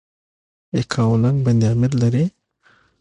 یکاولنګ بند امیر لري؟